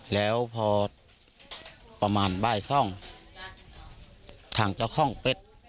แล้วพอประมาณบ่ายสองทางเจ้าของเป็ด